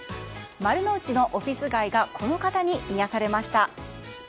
丸の内のオフィス街がこの方に癒やされました。